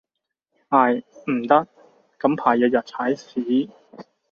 唉，唔得，近排日日踩屎